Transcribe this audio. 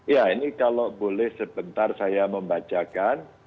ya ini kalau boleh sebentar saya membacakan